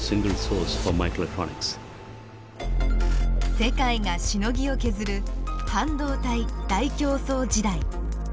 世界がしのぎを削る半導体大競争時代。